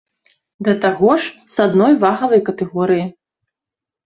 Да таго ж з адной вагавай катэгорыі.